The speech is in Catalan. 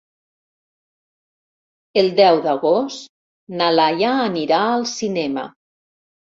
El deu d'agost na Laia anirà al cinema.